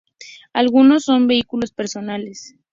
Algunos son vehículos personales.